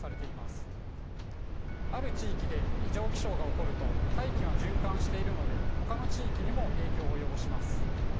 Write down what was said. ある地域で異常気象が起こると大気は循環しているのでほかの地域にも影響を及ぼします。